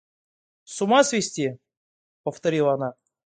С ума свести, — повторила она.